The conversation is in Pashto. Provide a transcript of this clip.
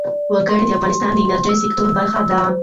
وګړي د افغانستان د انرژۍ سکتور برخه ده.